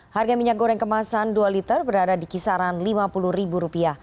harga minyak goreng kemasan dua liter berada di kisaran rp lima puluh